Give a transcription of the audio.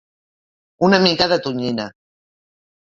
Una mica de tonyina.